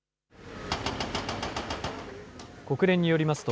国連によりますと、